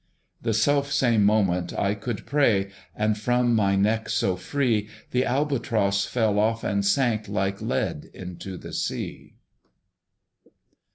The self same moment I could pray; And from my neck so free The Albatross fell off, and sank Like lead into the sea.